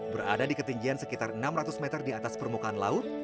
berada di ketinggian sekitar enam ratus meter di atas permukaan laut